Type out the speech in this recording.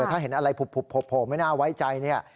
ถ้าเห็นอะไรโผล่ไม่น่าไว้ใจเนี่ย